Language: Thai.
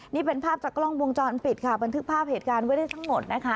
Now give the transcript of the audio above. นี่เป็นภาพจากกล้องวงจรปิดค่ะบันทึกภาพเหตุการณ์ไว้ได้ทั้งหมดนะคะ